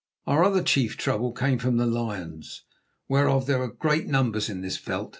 Our other chief trouble came from the lions, whereof there were great numbers in this veld.